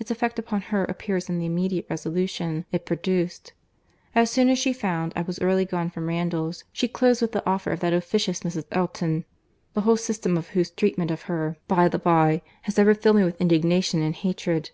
Its effect upon her appears in the immediate resolution it produced: as soon as she found I was really gone from Randalls, she closed with the offer of that officious Mrs. Elton; the whole system of whose treatment of her, by the bye, has ever filled me with indignation and hatred.